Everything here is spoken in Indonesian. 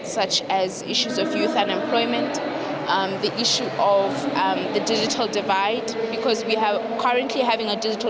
seperti isu kegiatan muda isu pergantian digital karena kita sedang mengalami perubahan digital